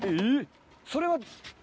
それは？